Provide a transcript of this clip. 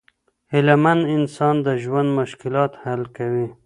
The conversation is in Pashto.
هیله مند انسان د ژوند مشکلات حل کوي.